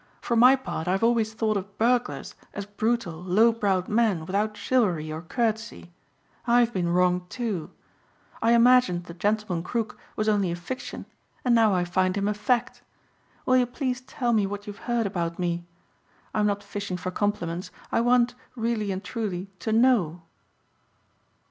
For my part I have always thought of burglars as brutal, low browed men without chivalry or courtesy. I've been wrong too. I imagined the gentleman crook was only a fiction and now I find him a fact. Will you please tell me what you've heard about me. I'm not fishing for compliments. I want, really and truly, to know."